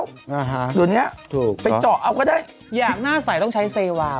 เดี๋ยวเนี้ยถูกไปเจาะเอาก็ได้อย่างหน้าใสต้องใช้เซวาว